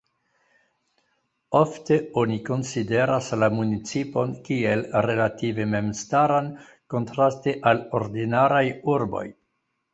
Ofte oni konsideras la municipon kiel relative memstaran, kontraste al ordinaraj urboj.